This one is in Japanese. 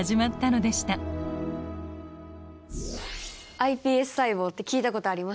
ｉＰＳ細胞って聞いたことあります。